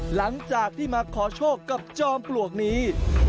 หลังจากที่มาขอโชคกับจอมปลวกนี้